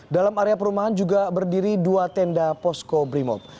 dalam area perumahan juga berdiri dua tenda posko brimob